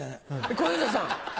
小遊三さん。